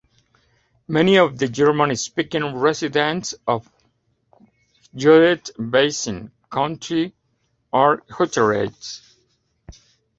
Many of the German-speaking residents of Judith Basin County are Hutterites.